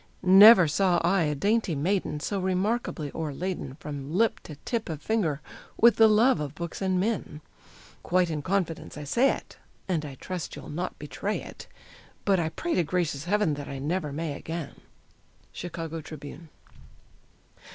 Never saw I a dainty maiden so remarkably o'erladen From lip to tip of finger with the love of books and men; Quite in confidence I say it, and I trust you'll not betray it, But I pray to gracious heaven that I never may again. _Chicago Tribune.